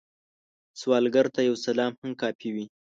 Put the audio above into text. سوالګر ته یو سلام هم کافی وي